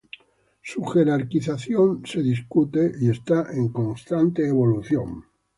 Su jerarquización es discutida y está en constante evolución.